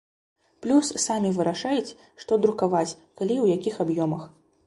Плюс самі вырашаюць, што друкаваць, калі і ў якіх аб'ёмах.